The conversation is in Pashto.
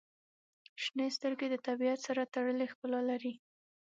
• شنې سترګې د طبیعت سره تړلې ښکلا لري.